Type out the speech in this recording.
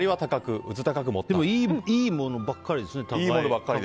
いいものばっかりですね。